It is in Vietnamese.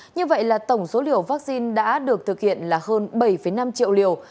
như vậy là tổng số liều vaccine đã được thực hiện là hơn bảy năm triệu liều